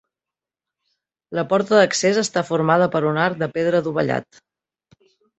La porta d'accés està formada per un arc de pedra dovellat.